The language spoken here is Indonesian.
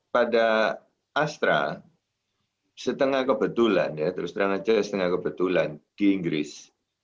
pada astra setengah kebetulan di inggris